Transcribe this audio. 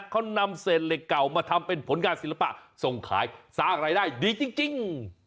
เขานำเศษเหล็กเก่ามาทำเป็นผลงานศิลปะส่งขายสร้างรายได้ดีจริง